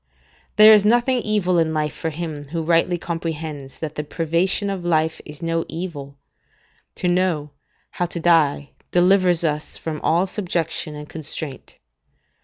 There is nothing evil in life for him who rightly comprehends that the privation of life is no evil: to know, how to die delivers us from all subjection and constraint.